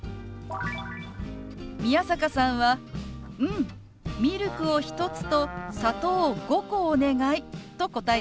宮坂さんは「うん！ミルクを１つと砂糖を５個お願い」と答えていました。